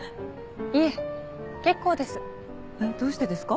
いえ結構です。